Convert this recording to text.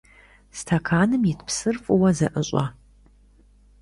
Стэканым ит псыр фӀыуэ зэӀыщӀэ.